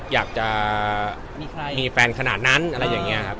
อยากจะมีแฟนขนาดนั้นอะไรอย่างนี้ครับ